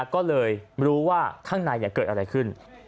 ก็เลยรู้ว่าข้างในเกิดอะไรขึ้น